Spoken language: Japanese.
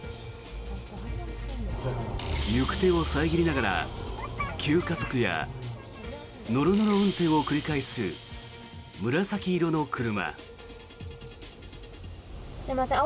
行く手を遮りながら急加速やノロノロ運転を繰り返す紫色の車。